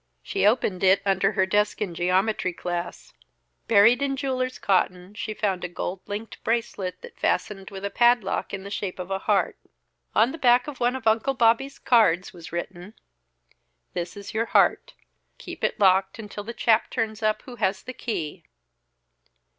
She opened it under her desk in geometry class. Buried in jeweler's cotton she found a gold linked bracelet that fastened with a padlock in the shape of a heart. On the back of one of Uncle Bobby's cards was written: "This is your heart. Keep it locked until the chap turns up who has the key."